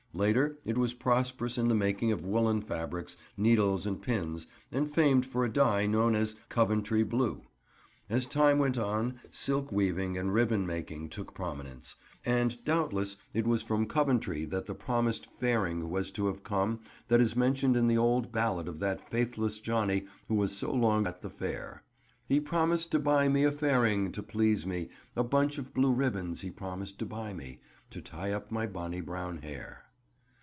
Later it was prosperous in the making of woollen fabrics, needles and pins, and famed for a dye known as "Coventry Blue." As time went on, silk weaving and ribbon making took prominence, and doubtless it was from Coventry that the promised "fairing" was to have come that is mentioned in the old ballad of that faithless Johnny who was so long at the fair— "He promised to buy me a fairing to please me, A bunch of blue ribbons he promised to buy me, To tie up my bonny brown hair."